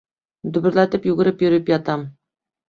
Дөбөрләтеп йүгереп йөрөп ятам.